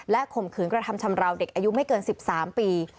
ข่มขืนกระทำชำราวเด็กอายุไม่เกิน๑๓ปี